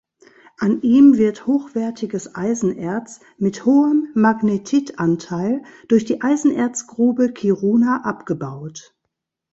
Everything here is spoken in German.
An ihm wird hochwertiges Eisenerz mit hohem Magnetit-Anteil durch die Eisenerzgrube Kiruna abgebaut.